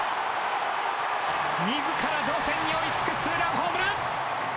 みずから同点に追いつくツーランホームラン。